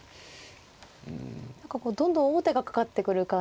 何かどんどん王手がかかってくる感じで。